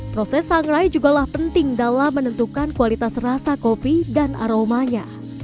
proses sangrai jugalah penting dalam menentukan kualitas rasa kopi dan aromanya